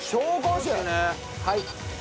はい。